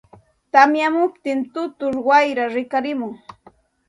tamyamuptin tutur wayraa rikarimun.